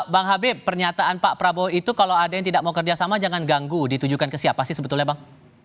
bang habib pernyataan pak prabowo itu kalau ada yang tidak mau kerjasama jangan ganggu ditujukan ke siapa sih sebetulnya bang